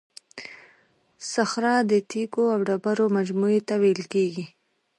صخره د تیکو او ډبرو مجموعې ته ویل کیږي.